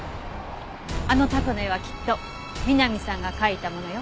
あのタコの絵はきっと美波さんが描いたものよ。